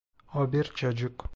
O bir çocuk.